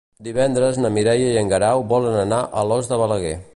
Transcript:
Divendres na Mireia i en Guerau volen anar a Alòs de Balaguer.